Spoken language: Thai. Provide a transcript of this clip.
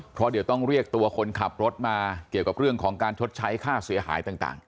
เพราะเดี๋ยวต้องเรียกตัวคนขับรถมาเกี่ยวกับเรื่องของการชดใช้ค่าเสียหายต่าง